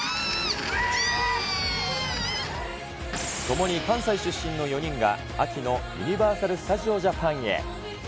共に関西出身の４人が、秋のユニバーサル・スタジオ・ジャパンへ。